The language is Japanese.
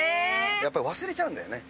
やっぱり忘れちゃうんだよね